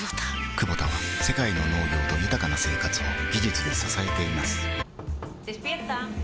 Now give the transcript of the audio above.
クボタは世界の農業と豊かな生活を技術で支えています起きて。